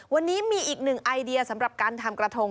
วันนี้มีอีกหนึ่งไอเดียสำหรับการทำกระทง